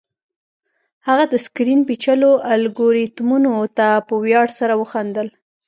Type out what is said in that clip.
هغه د سکرین پیچلو الګوریتمونو ته په ویاړ سره وخندل